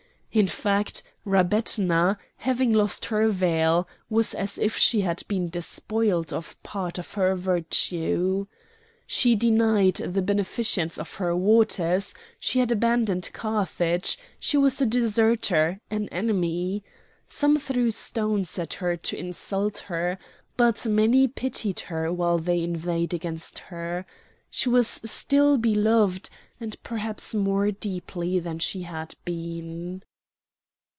In fact, Rabetna, having lost her veil, was as if she had been despoiled of part of her virtue. She denied the beneficence of her waters, she had abandoned Carthage; she was a deserter, an enemy. Some threw stones at her to insult her. But many pitied her while they inveighed against her; she was still beloved, and perhaps more deeply than she had been.